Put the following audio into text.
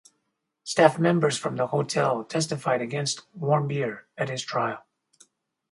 Staff members from the hotel testified against Warmbier at his trial.